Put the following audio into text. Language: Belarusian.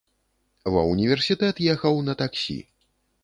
Ва ўніверсітэт ехаў на таксі.